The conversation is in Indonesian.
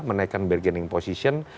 menaikkan bergening position